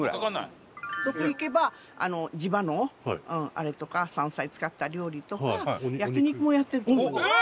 そこ行けば地場のあれとか山菜使った料理とか焼肉もやってると思いますよ。